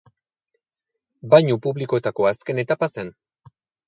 Bainu publikoetako azken etapa zen.